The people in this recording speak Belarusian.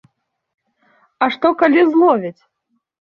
А што, калі зловяць?